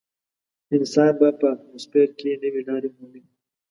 انسان به په اتموسفیر کې نوې لارې مومي.